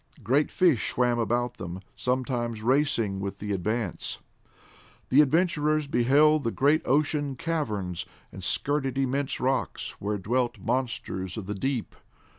Great fish swam about them, sometimes racing with the Advance. The adventurers beheld great ocean caverns, and skirted immense rocks, where dwelt monsters of the deep.